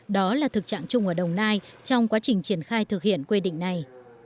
đó là thực trạng chung ở đồng nai trong quá trình triển khai thực hiện quy định này